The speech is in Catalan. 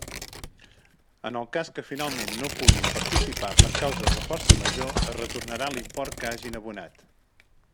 En el cas que finalment no puguin participar per causes de força major es retornarà l'import que hagin abonat.